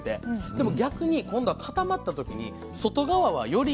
でも逆に今度は固まった時に外側はより一層固くなるんですね